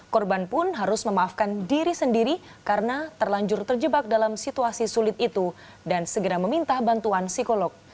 korban pun harus memaafkan diri sendiri karena terlanjur terjebak dalam situasi sulit itu dan segera meminta bantuan psikolog